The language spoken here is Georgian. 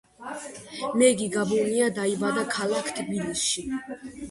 მეგი გაბუნია დაიბადა ქალაქ თბილისში.